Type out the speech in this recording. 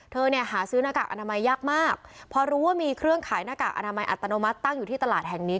เนี่ยหาซื้อหน้ากากอนามัยยากมากพอรู้ว่ามีเครื่องขายหน้ากากอนามัยอัตโนมัติตั้งอยู่ที่ตลาดแห่งนี้